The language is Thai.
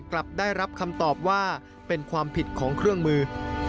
กลับได้รับคำตอบว่าเป็นความผิดของเครื่องมือ